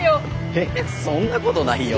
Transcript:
えそんなことないよ。